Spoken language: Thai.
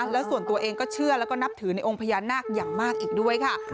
แล้วส่วนตัวเองก็เชื่อแล้วก็นับถือในองค์พญานาคอย่างมากอีกด้วยค่ะ